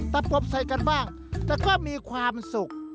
ถ้าพบใส่กันบ้างจะก็มีความสุข